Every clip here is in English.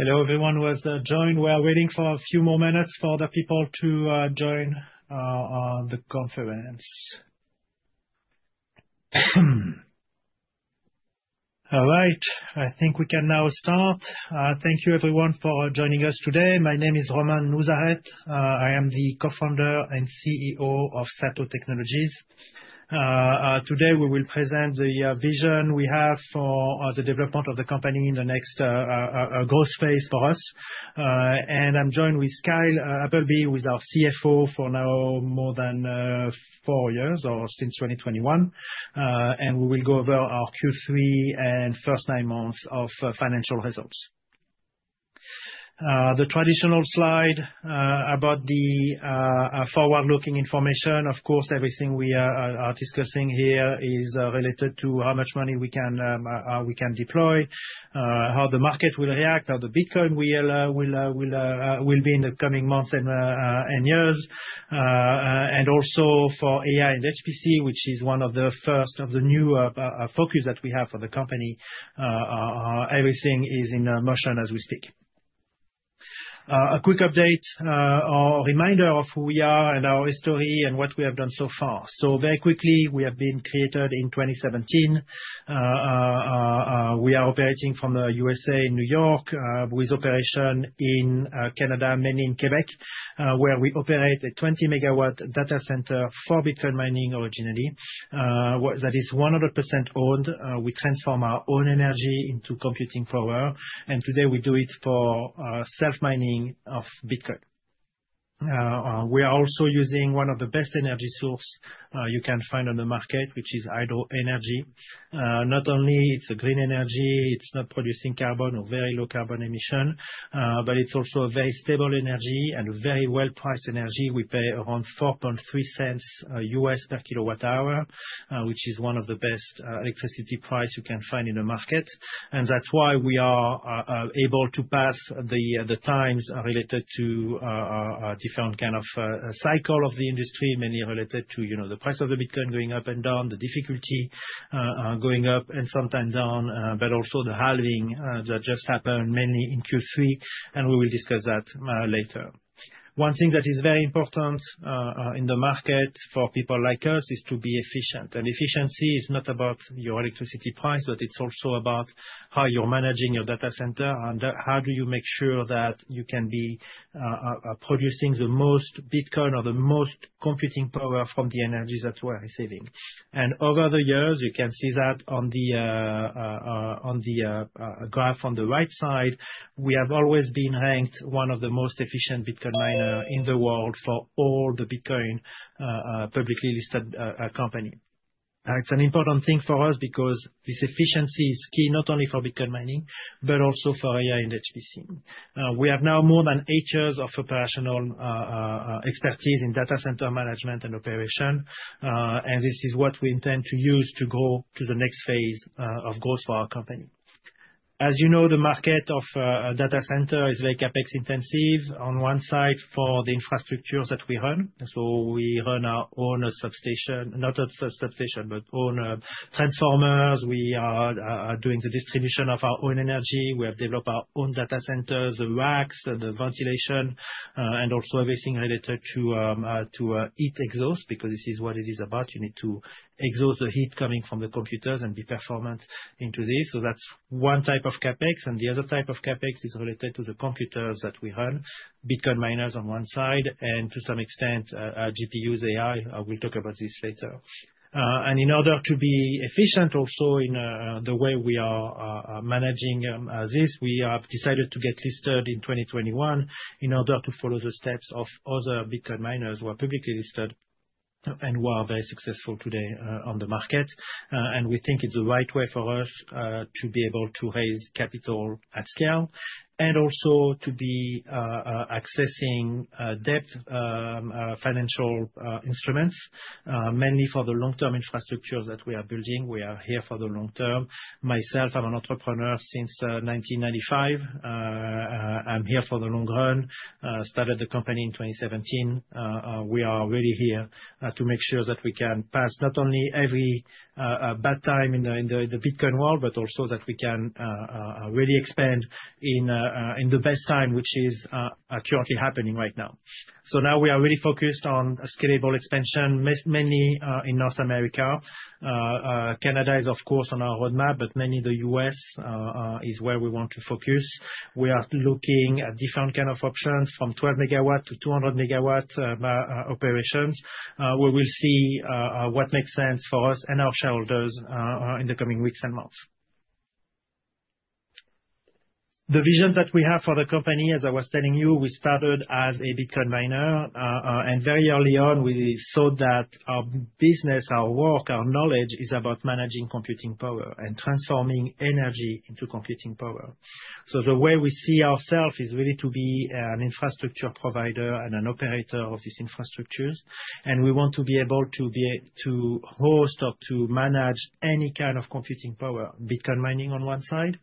Hello everyone, we'll join. We are waiting for a few more minutes for the people to join the conference. All right, I think we can now start. Thank you everyone for joining us today. My name is Romain Nouzareth. I am the Co-founder and CEO of SATO Technologies. Today we will present the vision we have for the development of the company in the next growth phase for us, and I'm joined with Kyle Appleby, who is our CFO for now more than four years or since 2021, and we will go over our Q3 and first nine months of financial results. The traditional slide about the forward-looking information, of course, everything we are discussing here is related to how much money we can deploy, how the market will react, how the Bitcoin will be in the coming months and years. And also for AI and HPC, which is one of the first of the new focus that we have for the company, everything is in motion as we speak. A quick update or reminder of who we are and our history and what we have done so far. So very quickly, we have been created in 2017. We are operating from the U.S., in New York with operation in Canada, mainly in Quebec, where we operate a 20-megawatt data center for Bitcoin mining originally. That is 100% owned. We transform our own energy into computing power. And today we do it for self-mining of Bitcoin. We are also using one of the best energy sources you can find on the market, which is hydro energy. Not only is it green energy, it's not producing carbon or very low carbon emission, but it's also a very stable energy and a very well-priced energy. We pay around $0.043 per kilowatt hour, which is one of the best electricity prices you can find in the market, and that's why we are able to pass the times related to different kinds of cycles of the industry, mainly related to the price of the Bitcoin going up and down, the difficulty going up and sometimes down, but also the halving that just happened mainly in Q3, and we will discuss that later. One thing that is very important in the market for people like us is to be efficient. Efficiency is not about your electricity price, but it's also about how you're managing your data center and how do you make sure that you can be producing the most Bitcoin or the most computing power from the energy that we're receiving. Over the years, you can see that on the graph on the right side, we have always been ranked one of the most efficient Bitcoin miners in the world for all the Bitcoin publicly listed companies. It's an important thing for us because this efficiency is key not only for Bitcoin mining, but also for AI and HPC. We have now more than eight years of operational expertise in data center management and operation. This is what we intend to use to grow to the next phase of growth for our company. As you know, the market of data centers is very CapEx intensive on one side for the infrastructure that we run. So we run our own substation, not a substation, but own transformers. We are doing the distribution of our own energy. We have developed our own data centers, the racks, the ventilation, and also everything related to heat exhaust because this is what it is about. You need to exhaust the heat coming from the computers and be performant into this. So that's one type of CapEx. And the other type of CapEx is related to the computers that we run, Bitcoin miners on one side, and to some extent, GPUs, AI. We'll talk about this later. In order to be efficient also in the way we are managing this, we have decided to get listed in 2021 in order to follow the steps of other Bitcoin miners who are publicly listed and who are very successful today on the market. We think it's the right way for us to be able to raise capital at scale and also to be accessing debt financial instruments, mainly for the long-term infrastructures that we are building. We are here for the long term. Myself, I'm an entrepreneur since 1995. I'm here for the long run. Started the company in 2017. We are really here to make sure that we can pass not only every bad time in the Bitcoin world, but also that we can really expand in the best time, which is currently happening right now. So now we are really focused on scalable expansion, mainly in North America. Canada is, of course, on our roadmap, but mainly the U.S., is where we want to focus. We are looking at different kinds of options from 12-megawatt to 200-megawatt operations, where we'll see what makes sense for us and our shareholders in the coming weeks and months. The vision that we have for the company, as I was telling you, we started as a Bitcoin miner. And very early on, we saw that our business, our work, our knowledge is about managing computing power and transforming energy into computing power. So the way we see ourselves is really to be an infrastructure provider and an operator of these infrastructures. We want to be able to host or to manage any kind of computing power, Bitcoin mining on one side,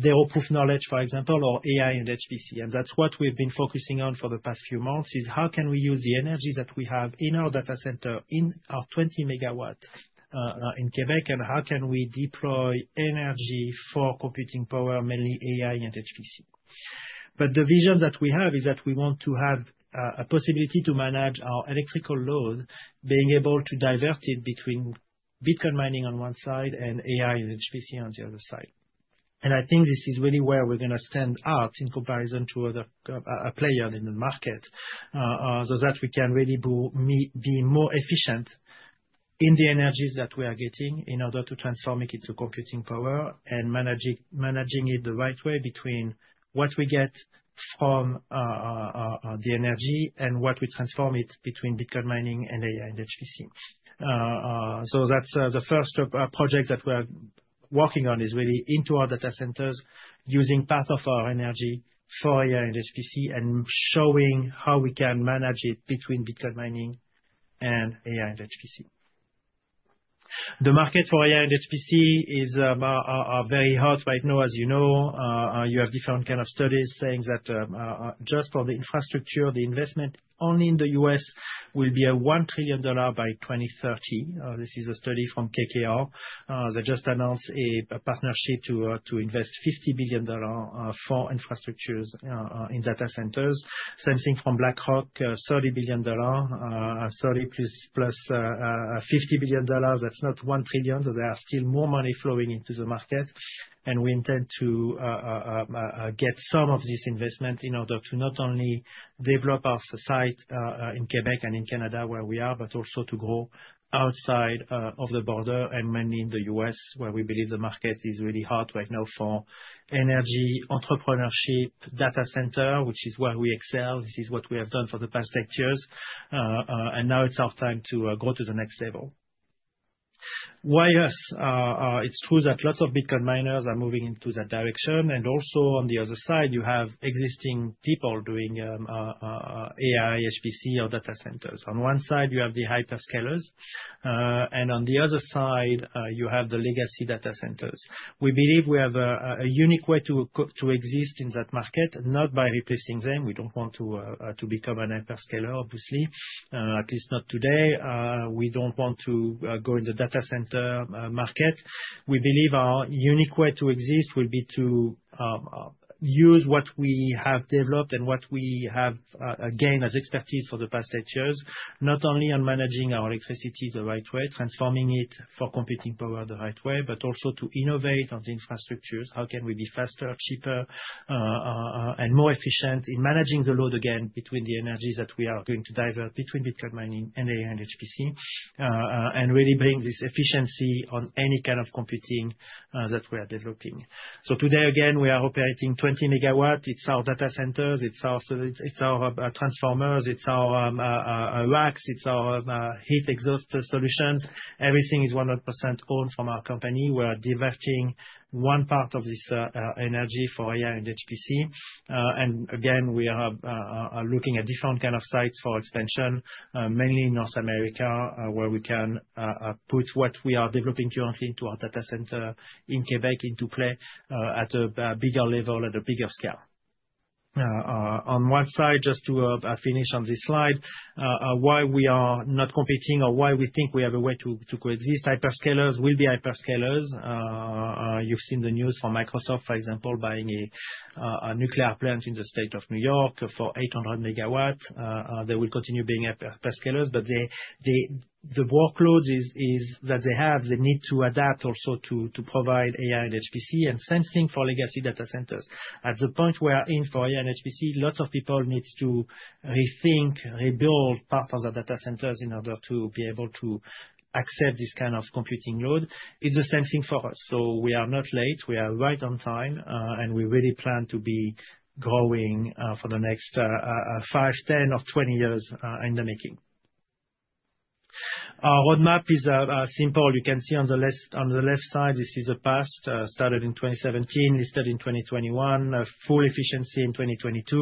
zero-knowledge proof, for example, or AI and HPC. That's what we've been focusing on for the past few months: how can we use the energy that we have in our data center in our 20-megawatt in Quebec, and how can we deploy energy for computing power, mainly AI and HPC. The vision that we have is that we want to have a possibility to manage our electrical load, being able to divert it between Bitcoin mining on one side and AI and HPC on the other side. And I think this is really where we're going to stand out in comparison to other players in the market so that we can really be more efficient in the energies that we are getting in order to transform it into computing power and managing it the right way between what we get from the energy and what we transform it between Bitcoin mining and AI and HPC. So that's the first project that we're working on is really into our data centers using part of our energy for AI and HPC and showing how we can manage it between Bitcoin mining and AI and HPC. The market for AI and HPC is very hot right now. As you know, you have different kinds of studies saying that just for the infrastructure, the investment only in the U.S., will be a $1 trillion by 2030. This is a study from KKR that just announced a partnership to invest $50 billion for infrastructures in data centers. Same thing from BlackRock, $30 billion, $30 plus $50 billion. That's not $1 trillion. So there are still more money flowing into the market. And we intend to get some of this investment in order to not only develop our site in Quebec and in Canada where we are, but also to grow outside of the border and mainly in the U.S., where we believe the market is really hot right now for energy entrepreneurship, data center, which is where we excel. This is what we have done for the past eight years. And now it's our time to grow to the next level. Why us? It's true that lots of Bitcoin miners are moving into that direction. Also on the other side, you have existing people doing AI, HPC, or data centers. On one side, you have the hyperscalers. On the other side, you have the legacy data centers. We believe we have a unique way to exist in that market, not by replacing them. We don't want to become a hyperscaler, obviously, at least not today. We don't want to go in the data center market. We believe our unique way to exist will be to use what we have developed and what we have gained as expertise for the past eight years, not only on managing our electricity the right way, transforming it for computing power the right way, but also to innovate on the infrastructures. How can we be faster, cheaper, and more efficient in managing the load again between the energies that we are going to divert between Bitcoin mining and AI and HPC and really bring this efficiency on any kind of computing that we are developing? So today, again, we are operating 20 megawatts. It's our data centers. It's our transformers. It's our racks. It's our heat exhaust solutions. Everything is 100% owned from our company. We are diverting one part of this energy for AI and HPC. And again, we are looking at different kinds of sites for expansion, mainly in North America, where we can put what we are developing currently into our data center in Quebec into play at a bigger level at a bigger scale. On one side, just to finish on this slide, why we are not competing or why we think we have a way to coexist. Hyperscalers will be hyperscalers. You've seen the news from Microsoft, for example, buying a nuclear plant in the state of New York for 800 megawatts. They will continue being hyperscalers, but the workload that they have, they need to adapt also to provide AI and HPC and same thing for legacy data centers. At the point we are in for AI and HPC, lots of people need to rethink, rebuild part of the data centers in order to be able to accept this kind of computing load. It's the same thing for us, so we are not late. We are right on time, and we really plan to be growing for the next five, 10, or 20 years in the making. Our roadmap is simple. You can see on the left side, this is a path started in 2017, listed in 2021, full efficiency in 2022.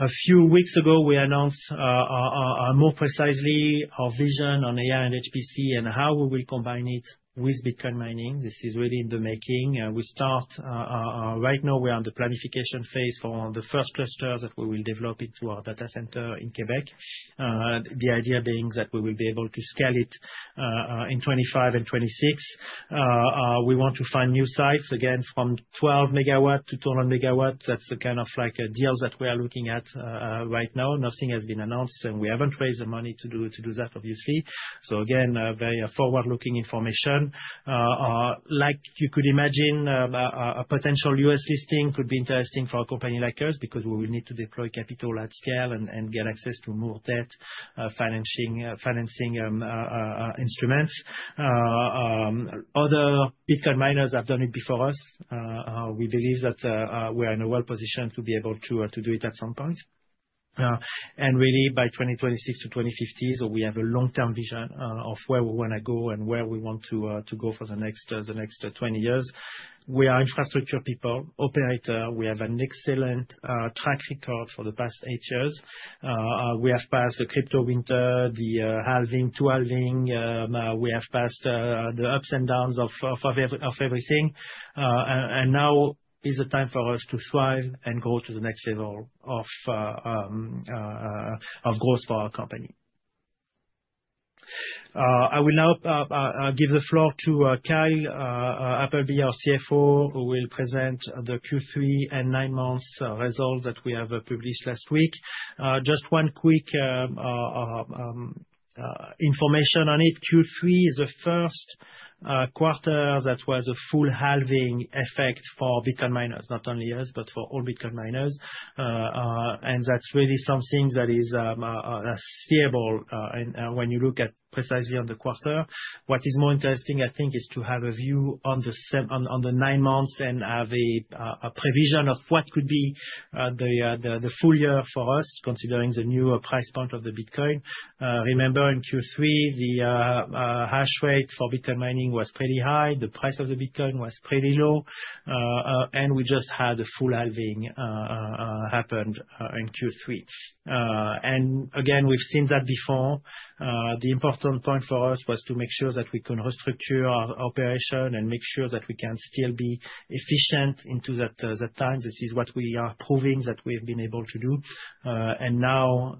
A few weeks ago, we announced more precisely our vision on AI and HPC and how we will combine it with Bitcoin mining. This is really in the making. We start right now. We are in the planning phase for the first clusters that we will develop into our data center in Quebec, the idea being that we will be able to scale it in 2025 and 2026. We want to find new sites again from 12 megawatts to 200 megawatts. That's the kind of deals that we are looking at right now. Nothing has been announced, and we haven't raised the money to do that, obviously, so again, very forward-looking information. Like you could imagine, a potential U.S., listing could be interesting for a company like us because we will need to deploy capital at scale and get access to more debt financing instruments. Other Bitcoin miners have done it before us. We believe that we are well-positioned to be able to do it at some point. And really, by 2026 to 2050, so we have a long-term vision of where we want to go and where we want to go for the next 20 years. We are infrastructure people, operator. We have an excellent track record for the past eight years. We have passed the crypto winter, the halving, two halvings. We have passed the ups and downs of everything. And now is the time for us to thrive and grow to the next level of growth for our company. I will now give the floor to Kyle Appleby, our CFO, who will present the Q3 and nine months results that we have published last week. Just one quick information on it. Q3 is the first quarter that was a full halving effect for Bitcoin miners, not only us, but for all Bitcoin miners, and that's really something that is visible when you look at precisely on the quarter. What is more interesting, I think, is to have a view on the nine months and have a projection of what could be the full year for us, considering the new price point of the Bitcoin. Remember in Q3, the hash rate for Bitcoin mining was pretty high. The price of the Bitcoin was pretty low, and we just had a full halving happened in Q3, and again, we've seen that before. The important point for us was to make sure that we can restructure our operation and make sure that we can still be efficient into that time. This is what we are proving that we have been able to do. And now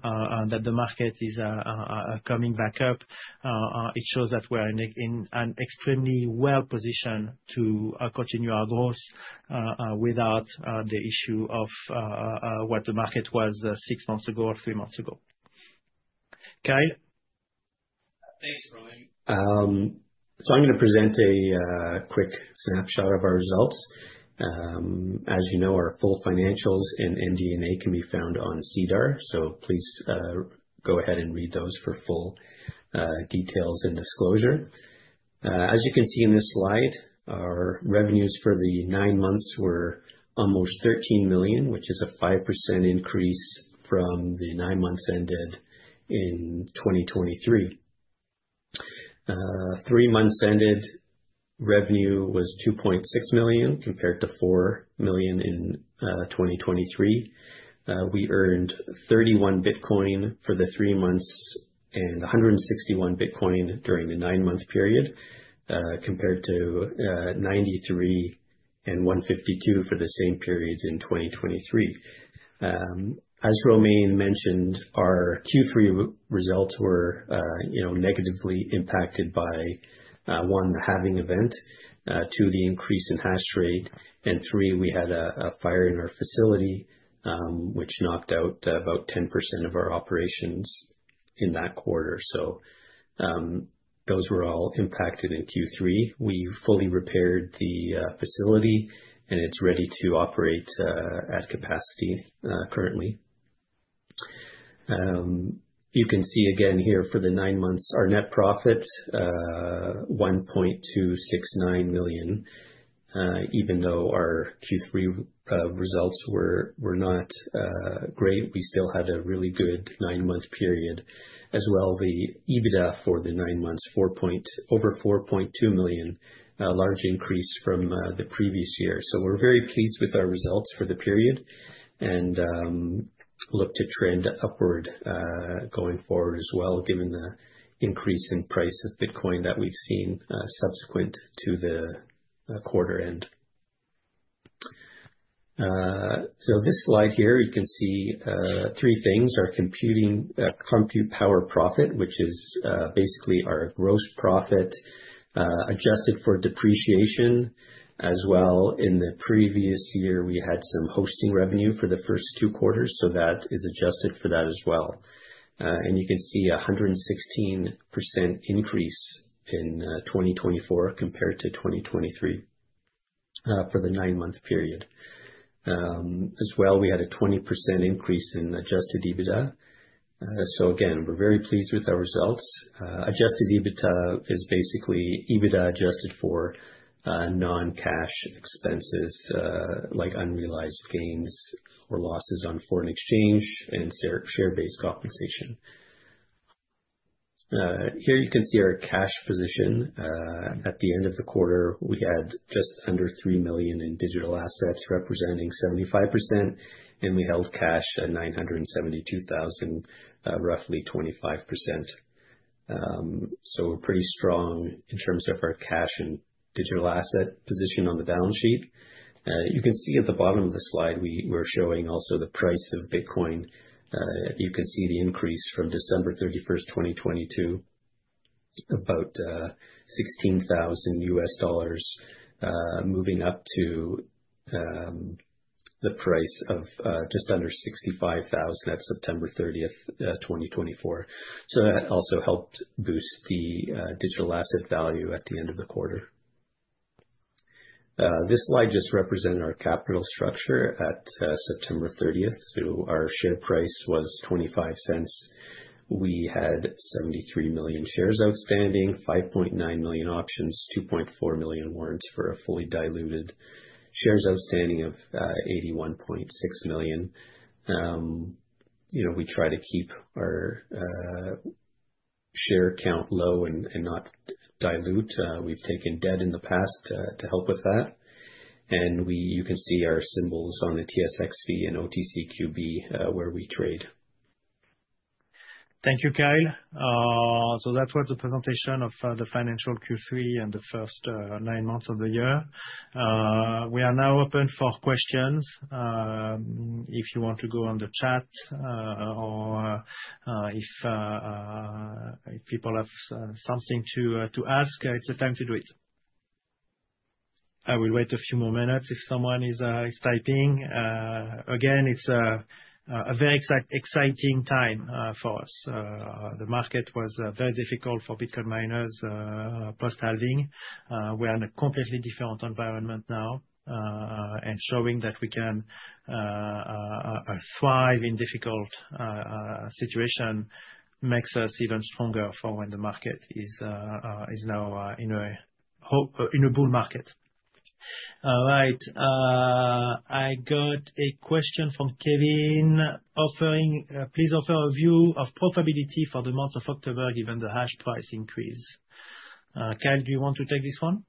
that the market is coming back up, it shows that we're in an extremely well-positioned to continue our growth without the issue of what the market was six months ago or three months ago. Kyle? Thanks, Romain. So I'm going to present a quick snapshot of our results. As you know, our full financials and MD&A can be found on SEDAR+. So please go ahead and read those for full details and disclosure. As you can see in this slide, our revenues for the nine months were almost $13 million, which is a 5% increase from the nine months ended in 2023. Three months ended revenue was $2.6 million compared to $4 million in 2023. We earned 31 Bitcoin for the three months and 161 Bitcoin during the nine-month period compared to 93 and 152 for the same periods in 2023. As Romain mentioned, our Q3 results were negatively impacted by, one, the halving event, two, the increase in hash rate, and three, we had a fire in our facility, which knocked out about 10% of our operations in that quarter. So those were all impacted in Q3. We fully repaired the facility, and it's ready to operate at capacity currently. You can see again here for the nine months, our net profit, $1.269 million. Even though our Q3 results were not great, we still had a really good nine-month period. As well, the EBITDA for the nine months, over $4.2 million, large increase from the previous year. We're very pleased with our results for the period and look to trend upward going forward as well, given the increase in price of Bitcoin that we've seen subsequent to the quarter end. This slide here, you can see three things: our computing power profit, which is basically our gross profit adjusted for depreciation. As well, in the previous year, we had some hosting revenue for the first two quarters, so that is adjusted for that as well. And you can see a 116% increase in 2024 compared to 2023 for the nine-month period. As well, we had a 20% increase in adjusted EBITDA. Again, we're very pleased with our results. Adjusted EBITDA is basically EBITDA adjusted for non-cash expenses like unrealized gains or losses on foreign exchange and share-based compensation. Here you can see our cash position. At the end of the quarter, we had just under $3 million in digital assets representing 75%, and we held cash at $972,000, roughly 25%. So we're pretty strong in terms of our cash and digital asset position on the balance sheet. You can see at the bottom of the slide, we're showing also the price of Bitcoin. You can see the increase from December 31st, 2022, about $16,000, moving up to the price of just under $65,000 at September 30th, 2024. So that also helped boost the digital asset value at the end of the quarter. This slide just represented our capital structure at September 30th. So our share price was $0.25. We had 73 million shares outstanding, 5.9 million options, 2.4 million warrants for a fully diluted shares outstanding of 81.6 million. We try to keep our share count low and not dilute. We've taken debt in the past to help with that. You can see our symbols on the TSX-V and OTCQB where we trade. Thank you, Kyle. So that was the presentation of the financial Q3 and the first nine months of the year. We are now open for questions. If you want to go on the chat or if people have something to ask, it's the time to do it. I will wait a few more minutes if someone is typing. Again, it's a very exciting time for us. The market was very difficult for Bitcoin miners post-halving. We're in a completely different environment now. Showing that we can thrive in a difficult situation makes us even stronger for when the market is now in a bull market. All right. I got a question from Kevin. Please offer a view of profitability for the month of October given the hash price increase. Kyle, do you want to take this one?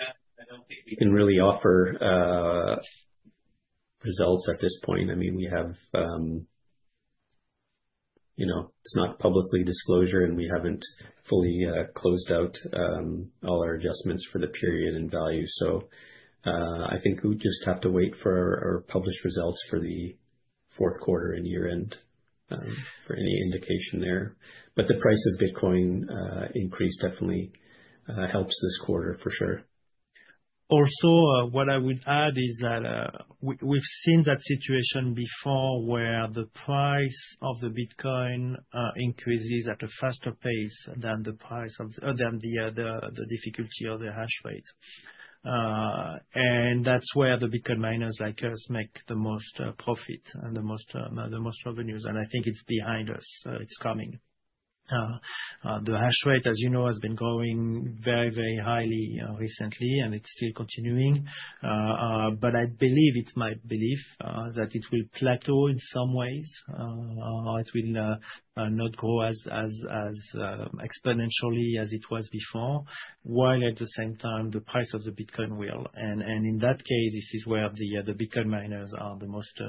I don't think we can really offer results at this point. I mean, it's not public disclosure, and we haven't fully closed out all our adjustments for the period and value. So I think we just have to wait for our published results for the fourth quarter and year-end for any indication there. But the price of Bitcoin increase definitely helps this quarter for sure. Also, what I would add is that we've seen that situation before where the price of the Bitcoin increases at a faster pace than the price of the difficulty of the hash rate. And that's where the Bitcoin miners like us make the most profit and the most revenues. And I think it's behind us. It's coming. The hash rate, as you know, has been growing very, very highly recently, and it's still continuing, but I believe, it's my belief, that it will plateau in some ways. It will not grow as exponentially as it was before, while at the same time, the price of the Bitcoin will, and in that case, this is where the Bitcoin miners are the most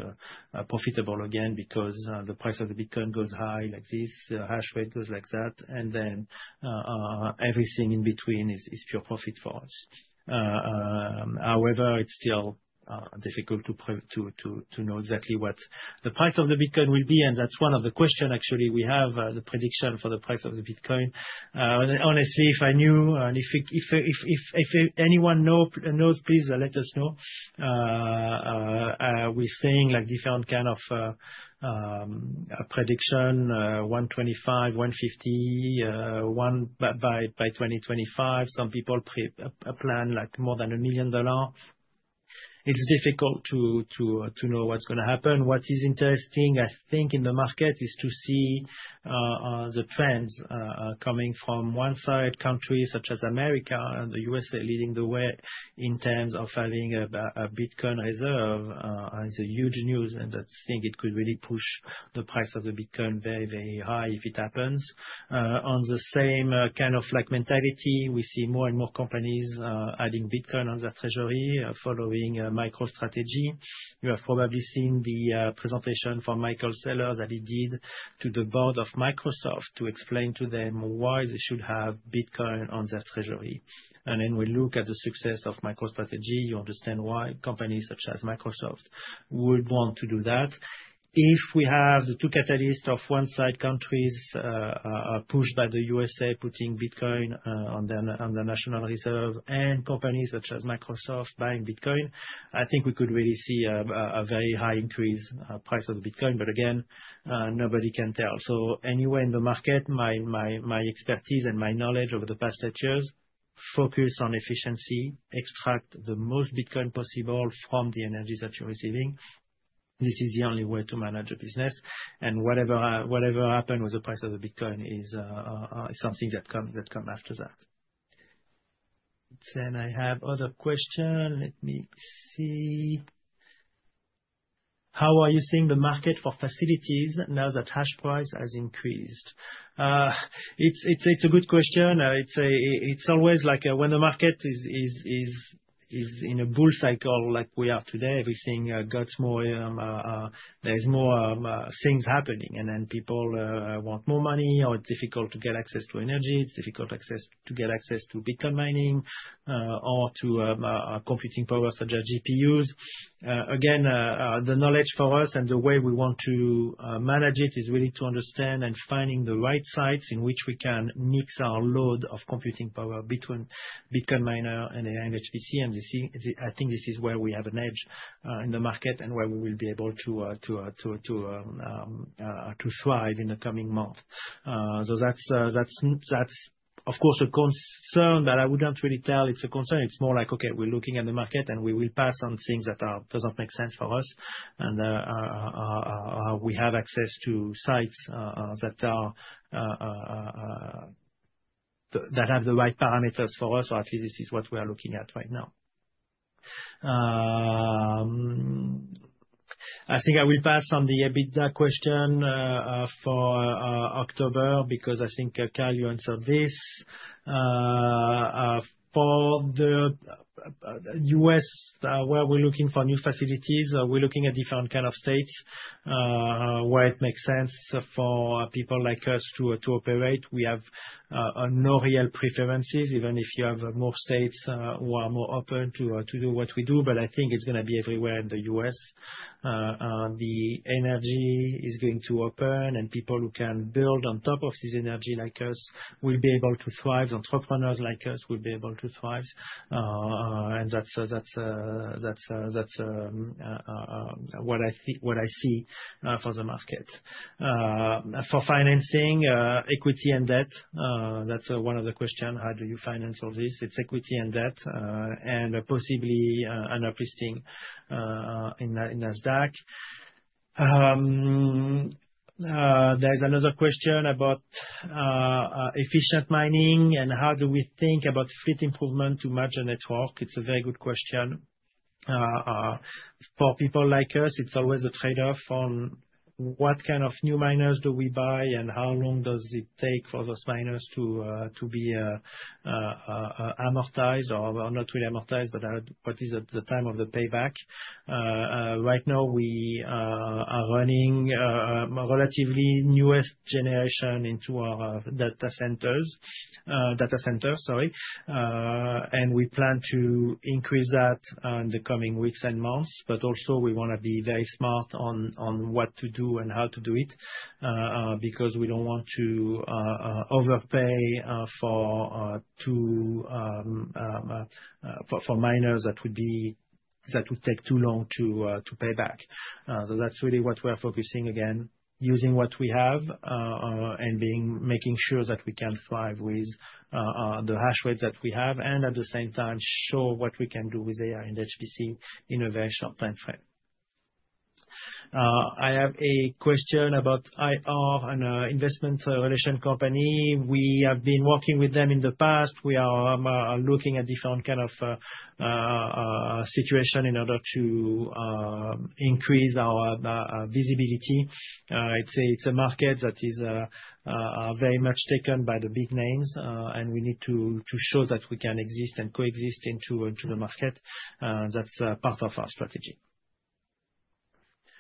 profitable again because the price of the Bitcoin goes high like this, the hash rate goes like that, and then everything in between is pure profit for us. However, it's still difficult to know exactly what the price of the Bitcoin will be, and that's one of the questions, actually. We have the prediction for the price of the Bitcoin. Honestly, if I knew, and if anyone knows, please let us know. We're seeing different kinds of prediction, $125,000, $150,000, $100,000 by 2025. Some people plan more than $1 million. It's difficult to know what's going to happen. What is interesting, I think, in the market is to see the trends coming from uncertain such as America and the U.S., leading the way in terms of having a Bitcoin reserve. It's a huge news, and I think it could really push the price of the Bitcoin very, very high if it happens. On the same kind of mentality, we see more and more companies adding Bitcoin on their treasury following MicroStrategy. You have probably seen the presentation from Michael Saylor that he did to the board of Microsoft to explain to them why they should have Bitcoin on their treasury, and then we look at the success of MicroStrategy. You understand why companies such as Microsoft would want to do that. If we have the two catalysts of uncertain pushed by the USA putting Bitcoin on the national reserve and companies such as Microsoft buying Bitcoin, I think we could really see a very high increase in the price of the Bitcoin. But again, nobody can tell. So anywhere in the market, my expertise and my knowledge over the past eight years focus on efficiency, extract the most Bitcoin possible from the energy that you're receiving. This is the only way to manage a business. And whatever happened with the price of the Bitcoin is something that comes after that. Then I have other questions. Let me see. How are you seeing the market for facilities now that hash price has increased? It's a good question. It's always like when the market is in a bull cycle like we are today, everything gets more, there's more things happening. And then people want more money, or it's difficult to get access to energy. It's difficult to get access to Bitcoin mining or to computing power such as GPUs. Again, the knowledge for us and the way we want to manage it is really to understand and finding the right sites in which we can mix our load of computing power between Bitcoin miner and HPC. And I think this is where we have an edge in the market and where we will be able to thrive in the coming month. So that's, of course, a concern, but I wouldn't really tell it's a concern. It's more like, okay, we're looking at the market and we will pass on things that doesn't make sense for us. We have access to sites that have the right parameters for us, or at least this is what we are looking at right now. I think I will pass on the EBITDA question for October because I think, Kyle, you answered this. For the U.S., where we're looking for new facilities, we're looking at different kinds of states where it makes sense for people like us to operate. We have no real preferences, even if you have more states who are more open to do what we do. I think it's going to be everywhere in the U.S. The energy is going to open, and people who can build on top of this energy like us will be able to thrive. Entrepreneurs like us will be able to thrive. That's what I see for the market. For financing, equity and debt, that's one of the questions. How do you finance all this? It's equity and debt and possibly an uplisting in Nasdaq. There's another question about efficient mining and how do we think about fleet improvement to merge a network. It's a very good question. For people like us, it's always a trade-off on what kind of new miners do we buy and how long does it take for those miners to be amortized or not really amortized, but what is the time of the payback. Right now, we are running a relatively newest generation into our data centers, data centers, sorry. And we plan to increase that in the coming weeks and months. But also, we want to be very smart on what to do and how to do it because we don't want to overpay for miners that would take too long to pay back. So that's really what we're focusing on again, using what we have and making sure that we can thrive with the hash rates that we have and at the same time show what we can do with AI and HPC in a very short time frame. I have a question about IR and Investor Relations company. We have been working with them in the past. We are looking at different kinds of situations in order to increase our visibility. It's a market that is very much taken by the big names, and we need to show that we can exist and coexist in the market. That's part of our strategy.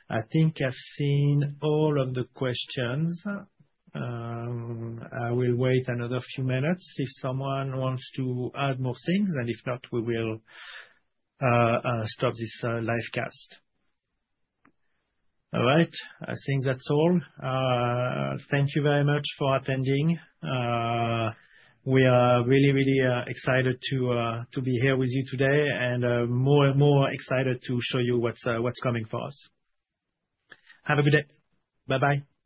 I think I've seen all of the questions. I will wait another few minutes if someone wants to add more things. And if not, we will stop this livestream. All right. I think that's all. Thank you very much for attending. We are really, really excited to be here with you today and more excited to show you what's coming for us. Have a good day. Bye-bye.